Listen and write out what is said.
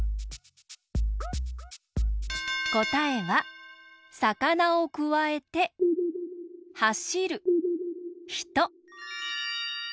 こたえはさかなをくわえてはしるひと。